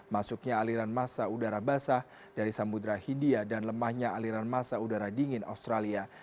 masuknya aliran masa udara basah dari samudera hindia dan lemahnya aliran masa udara dingin australia